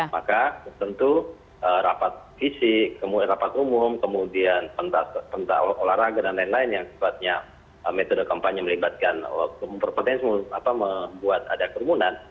maka tentu rapat fisik rapat umum kemudian pentas olahraga dan lain lain yang sifatnya metode kampanye melibatkan potensi membuat ada kerumunan